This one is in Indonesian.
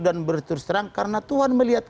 dan berterus terang karena tuhan melihat